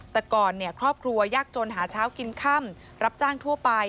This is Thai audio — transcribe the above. แต่ก่อนครอบครัวยากจนหาเช้ากินค่ำรับจ้างทั่วไป